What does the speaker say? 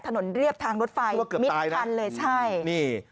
ถนนเรียบทางรถไฟมิดทันเลยใช่